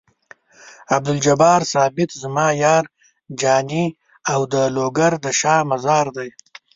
عبدالجبار ثابت زما یار جاني او د لوګر د شاه مزار دی.